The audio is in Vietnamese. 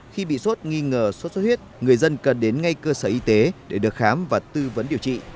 khi bị sốt nghi ngờ sốt xuất huyết người dân cần đến ngay cơ sở y tế để được khám và tư vấn điều trị